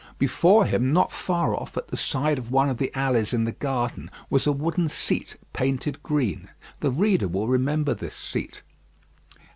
Before him, not far off, at the side of one of the alleys in the garden, was a wooden seat painted green. The reader will remember this seat.